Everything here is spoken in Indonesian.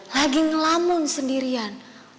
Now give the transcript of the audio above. lagi ngelamun sendirian